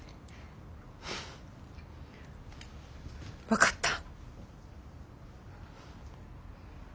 分かった。